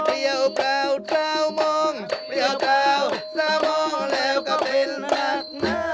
เพลียวเพลาช้าวบองวเพลียวเกลาสามองแล้วก็เป็นหนักน้าย